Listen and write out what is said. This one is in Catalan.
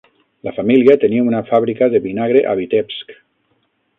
La família tenia una fàbrica de vinagre a Vitebsk.